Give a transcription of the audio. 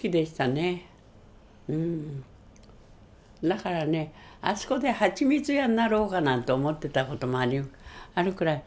だからねあそこで蜂蜜屋になろうかなんて思ってた事もあるくらい。